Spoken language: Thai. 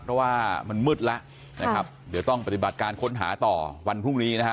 เพราะว่ามันมืดแล้วนะครับเดี๋ยวต้องปฏิบัติการค้นหาต่อวันพรุ่งนี้นะฮะ